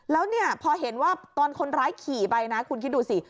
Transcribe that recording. แล้วเนี่ยพอเห็นว่าตอนคนร้ายขี่ไปนะคุณคิดดูสิ